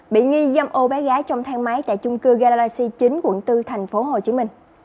bị nghi dâm ô bé gái trong thang máy tại chung cư galaxy chín quận bốn tp hcm